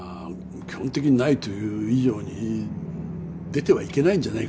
基本的にないという以上に出てはいけないんじゃないかと思いますね